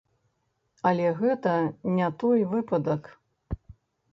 Але гэта не той выпадак.